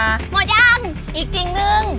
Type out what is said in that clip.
หมอยัง